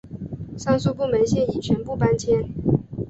上述部门现已全部搬迁。